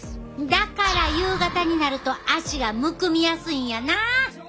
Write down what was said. だから夕方になると足がむくみやすいんやな。